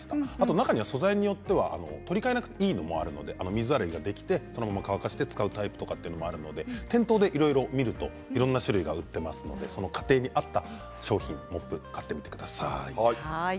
中には素材によっては取り替えなくていいのもあるので水洗いができて、そのまま乾かして使うタイプもあるので店頭でいろいろ見るといろんな種類が売っていますので家庭に合った商品、モップを買ってみてください。